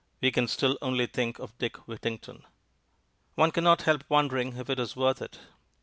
We can still only think of Dick Whittington. One cannot help wondering if it is worth it.